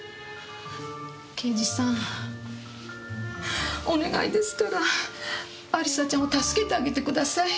刑事さんお願いですから亜里沙ちゃんを助けてあげてください。